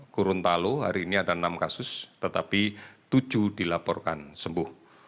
gorontalo hari ini ada enam kasus tetapi tujuh dilaporkan sembuh